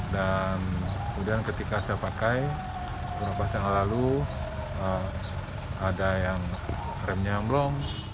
dan kemudian ketika saya pakai beberapa tahun lalu ada yang remnya melom